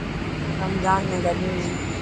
رمضان ۾ گرمي هي.